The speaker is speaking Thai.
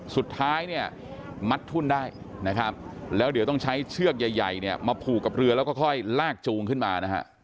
สุดท้ายมัดทุนได้แล้วเดี๋ยวต้องใช้เชือกใหญ่มาผูกกับเรือแล้วก็ค่อยลากจูงขึ้นมา